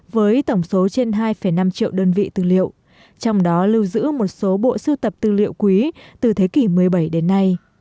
với tổng số trên hai năm triệu đơn vị tư liệu trong đó lưu giữ một số bộ sưu tập tư liệu quý từ thế kỷ một mươi bảy đến nay